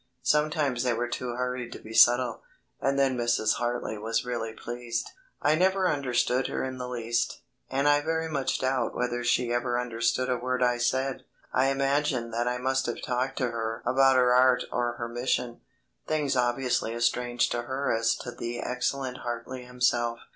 Sometimes they were too hurried to be subtle, and then Mrs. Hartly was really pleased. I never understood her in the least, and I very much doubt whether she ever understood a word I said. I imagine that I must have talked to her about her art or her mission things obviously as strange to her as to the excellent Hartly himself.